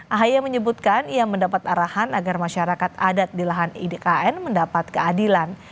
ahaya menyebutkan ia mendapat arahan agar masyarakat adat di lahan idkn mendapat keadilan